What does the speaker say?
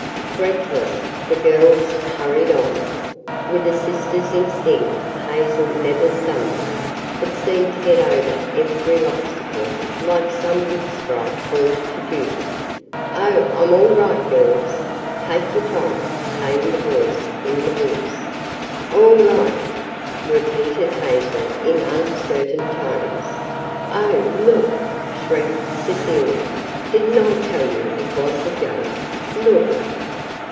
Breathless, the girls hurried on. With a sister's instinct Hazel never stumbled, but seemed to get over every obstacle like some wood sprite called to duty. "Oh, I'm all right, girls! Take your time!" came the voice in the woods. "All right!" repeated Hazel in uncertain tones. "Oh, look!" shrieked Cecilia. "Didn't I tell you it was a joke? Look!"